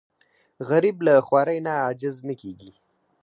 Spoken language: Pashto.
غریب له خوارۍ نه عاجز نه کېږي